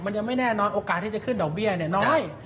มันยังไม่แน่นอนโอกาสที่จะขึ้นดอกเบี้ยเนี่ยน้อย